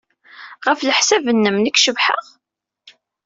Ɣef leḥsab-nnem, nekk cebḥeɣ?